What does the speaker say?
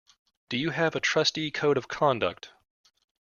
Do you have a trustee code of conduct?